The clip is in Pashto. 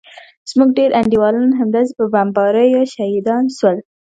زموږ ډېر انډيوالان همداسې په بمباريو شهيدان سول.